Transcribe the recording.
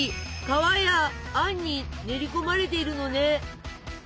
皮やあんに練り込まれているのね。